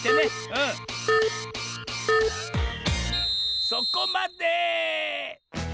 うんそこまで！